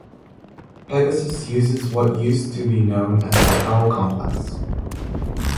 Pegasus uses what used to be known as the L- Complex.